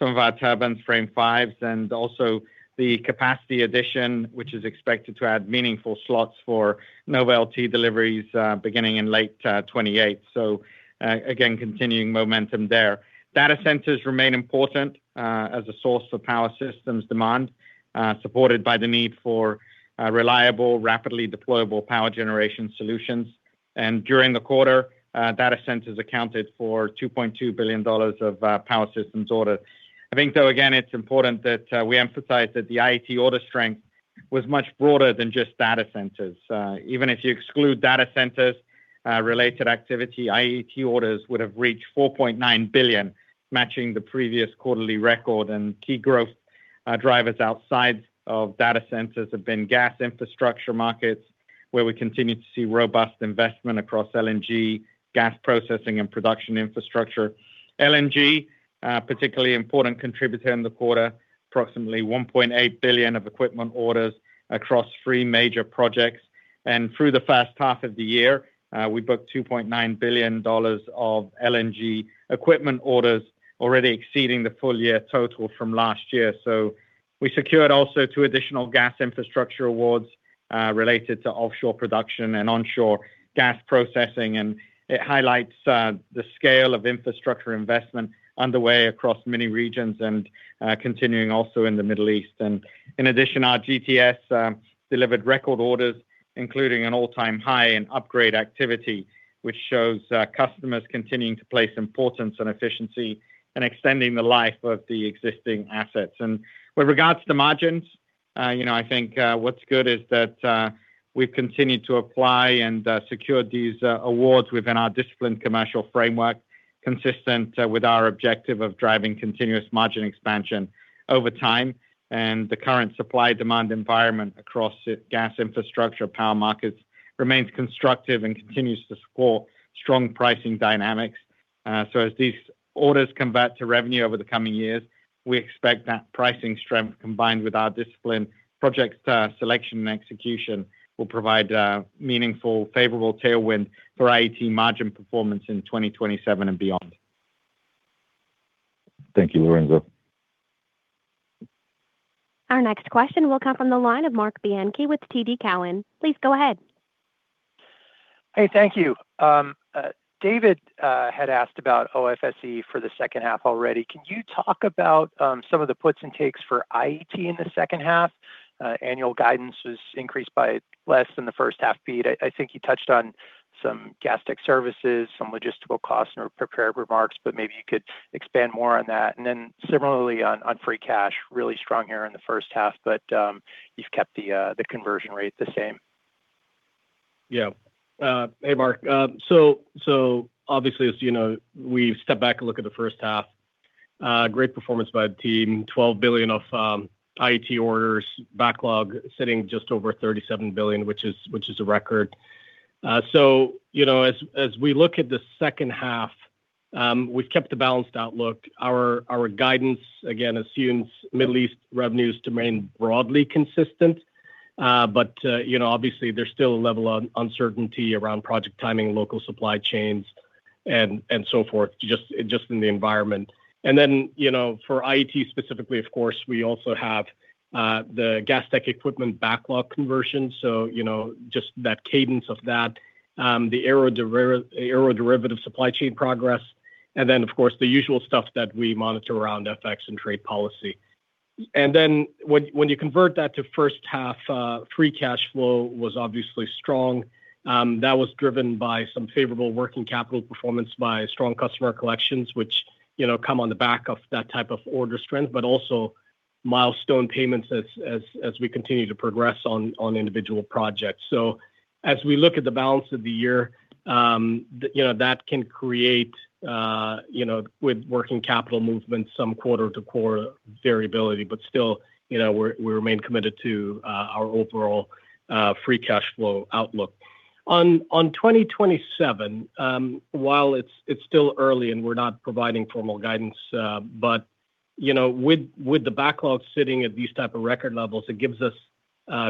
some of our turbines Frame 5s, and also the capacity addition, which is expected to add meaningful slots for NovaLT deliveries beginning in late 2028. Again, continuing momentum there. Data centers remain important as a source of power systems demand, supported by the need for reliable, rapidly deployable power generation solutions. During the quarter, data centers accounted for $2.2 billion of power systems orders. I think, though, again, it's important that we emphasize that the IET order strength was much broader than just data centers. Even if you exclude data centers related activity, IET orders would have reached $4.9 billion, matching the previous quarterly record. Key growth drivers outside of data centers have been gas infrastructure markets, where we continue to see robust investment across LNG, gas processing, and production infrastructure. LNG, a particularly important contributor in the quarter, approximately $1.8 billion of equipment orders across three major projects. Through the first half of the year, we booked $2.9 billion of LNG equipment orders, already exceeding the full-year total from last year. We secured also two additional gas infrastructure awards related to offshore production and onshore gas processing, and it highlights the scale of infrastructure investment underway across many regions and continuing also in the Middle East. In addition, our GTS delivered record orders, including an all-time high in upgrade activity, which shows customers continuing to place importance on efficiency and extending the life of the existing assets. With regards to margins, I think what's good is that we've continued to apply and secure these awards within our disciplined commercial framework, consistent with our objective of driving continuous margin expansion over time. The current supply-demand environment across gas infrastructure power markets remains constructive and continues to score strong pricing dynamics. As these orders convert to revenue over the coming years, we expect that pricing strength, combined with our disciplined project selection and execution, will provide a meaningful, favorable tailwind for IET margin performance in 2027 and beyond. Thank you, Lorenzo. Our next question will come from the line of Marc Bianchi with TD Cowen. Please go ahead. Hey, thank you. David had asked about OFSE for the second half already. Can you talk about some of the puts and takes for IET in the second half? Annual guidance was increased by less than the first half beat. I think you touched on some gas tech services, some logistical costs in your prepared remarks, but maybe you could expand more on that. Similarly on free cash, really strong here in the first half, but you've kept the conversion rate the same. Yeah. Hey, Marc. Obviously, as you know, we step back and look at the first half. Great performance by the team. $12 billion of IET orders. Backlog sitting just over $37 billion, which is a record. As we look at the second half, we've kept a balanced outlook. Our guidance, again, assumes Middle East revenues to remain broadly consistent. Obviously, there's still a level of uncertainty around project timing, local supply chains, and so forth, just in the environment. For IET specifically, of course, we also have the gas tech equipment backlog conversion. Just that cadence of that, the aeroderivative supply chain progress, and then, of course, the usual stuff that we monitor around FX and trade policy. When you convert that to first half, free cash flow was obviously strong. That was driven by some favorable working capital performance by strong customer collections, which come on the back of that type of order strength, but also milestone payments as we continue to progress on individual projects. As we look at the balance of the year, that can create, with working capital movement, some quarter-to-quarter variability. Still, we remain committed to our overall free cash flow outlook. On 2027, while it's still early and we're not providing formal guidance, with the backlog sitting at these type of record levels, it gives us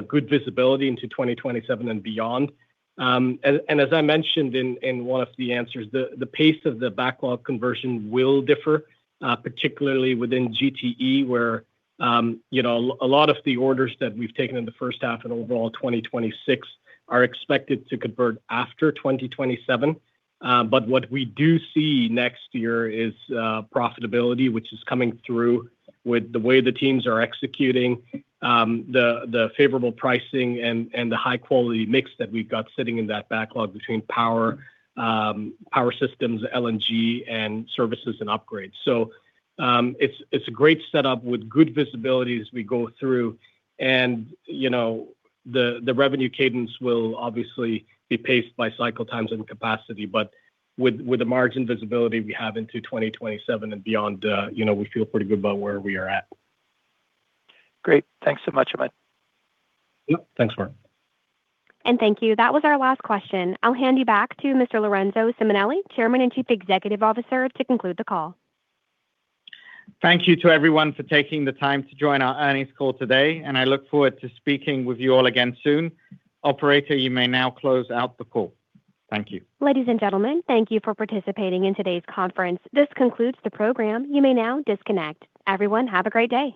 good visibility into 2027 and beyond. As I mentioned in one of the answers, the pace of the backlog conversion will differ, particularly within GTE, where a lot of the orders that we've taken in the first half and overall 2026 are expected to convert after 2027. What we do see next year is profitability, which is coming through with the way the teams are executing the favorable pricing and the high-quality mix that we've got sitting in that backlog between power systems, LNG, and services and upgrades. It's a great setup with good visibility as we go through. The revenue cadence will obviously be paced by cycle times and capacity, but with the margin visibility we have into 2027 and beyond, we feel pretty good about where we are at. Great. Thanks so much, Ahmed. Yep. Thanks, Marc. Thank you. That was our last question. I'll hand you back to Mr. Lorenzo Simonelli, Chairman and Chief Executive Officer, to conclude the call. Thank you to everyone for taking the time to join our earnings call today, and I look forward to speaking with you all again soon. Operator, you may now close out the call. Thank you. Ladies and gentlemen, thank you for participating in today's conference. This concludes the program. You may now disconnect. Everyone, have a great day